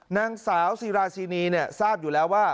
นางสาวซีราซีนีทราบอยู่แล้วว่า